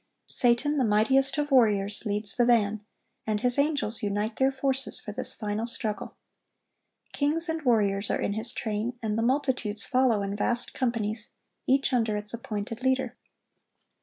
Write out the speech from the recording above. Satan, the mightiest of warriors, leads the van, and his angels unite their forces for this final struggle. Kings and warriors are in his train, and the multitudes follow in vast companies, each under its appointed leader.